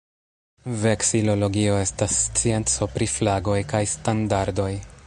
Veksilologio estas scienco pri flagoj kaj standardoj.